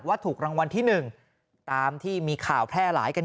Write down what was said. ถูกรางวัลที่๑ตามที่มีข่าวแพร่หลายกัน